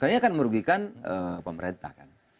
karena ini akan merugikan pemerintah kan